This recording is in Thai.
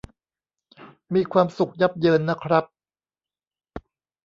มีความสุขยับเยินนะครับ